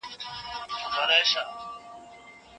لارښود استاد باید د خپل شاګرد ټولي وړتیاوې په سمه توګه درک کړي.